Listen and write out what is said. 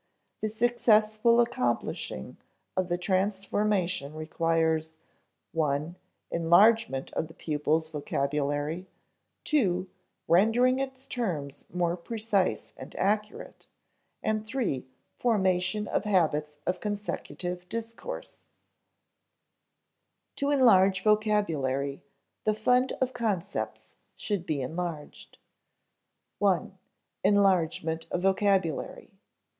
The successful accomplishing of the transformation requires (i) enlargement of the pupil's vocabulary; (ii) rendering its terms more precise and accurate, and (iii) formation of habits of consecutive discourse. [Sidenote: To enlarge vocabulary, the fund of concepts should be enlarged] (i) Enlargement of vocabulary.